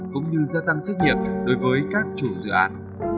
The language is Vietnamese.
cũng như gia tăng trách nhiệm đối với các chủ dự án